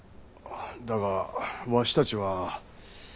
だがわしたちは。